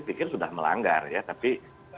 pikir sudah melanggar ya tapi